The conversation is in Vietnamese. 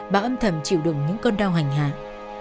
bà âm thầm chịu đựng những con đau hành hạng